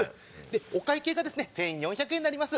お会計が１４００円になります。